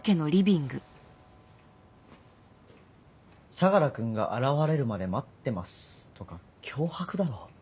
「相楽君が現れるまで待ってます」とか脅迫だろ。